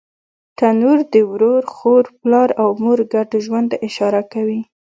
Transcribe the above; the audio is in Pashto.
تنور د ورور، خور، پلار او مور ګډ ژوند ته اشاره کوي